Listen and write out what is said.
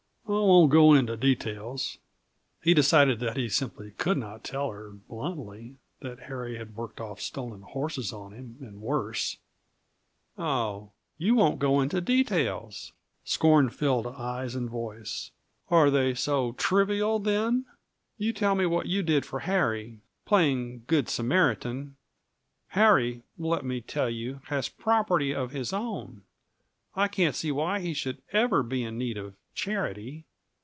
I won't go into details." He decided that he simply could not tell her bluntly that Harry had worked off stolen horses on him, and worse. "Oh you won't go into details!" Scorn filled eyes and voice. "Are they so trivial, then? You tell me what you did for Harry playing Good Samaritan. Harry, let me tell you, has property of his own; I can't see why he should ever be in need of charity.